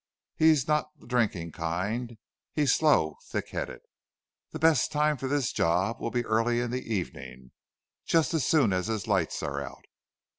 He's not the drinking kind. He's slow, thick headed. The best time for this job will be early in the evening just as soon as his lights are out.